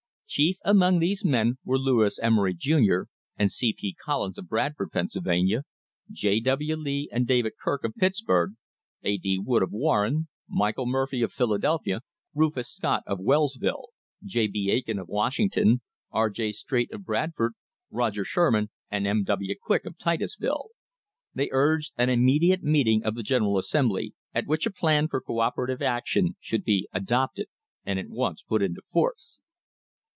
Chief among these men were Lewis Emery, Jr., and C. P. Collins, of Bradford, Pennsylvania; J. W. Lee and David Kirk, of Pittsburg; A. D. Wood, of Warren; Michael Murphy, of Philadelphia; Rufus Scott, of Wellsville; J. B. Aiken, of Washington; R. J. Straight, of Bradford; Roger Sherman and M. W. Quick, of Titusville. They urged an immediate meeting of the General Assembly, at which a plan for co operative action should be adopted and at once put into force.